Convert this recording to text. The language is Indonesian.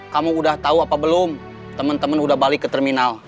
kamu udah tau apa belum temen temen udah balik ke terminal